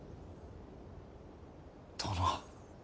殿。